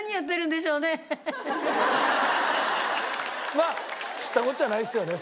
まあ知ったこっちゃないですよね